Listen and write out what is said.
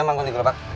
biar bangun di gerobak